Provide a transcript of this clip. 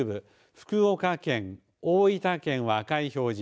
福岡県、大分県は赤い表示